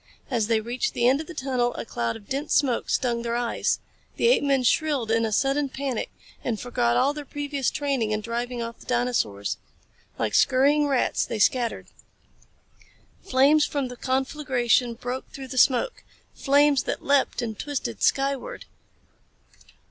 As they reached the end of the tunnel a cloud of dense smoke stung their eyes. The apemen shrilled in a sudden panic and forgot all their previous training in driving off the dinosaurs. Like scurrying rats they scattered. Flames from the conflagration broke through the smoke flames that leaped and twisted skyward.